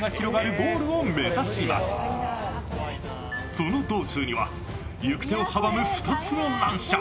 その道中には、行く手を阻む２つの難所。